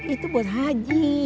itu buat haji